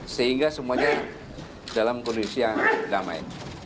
sehingga semuanya dalam kondisi yang damai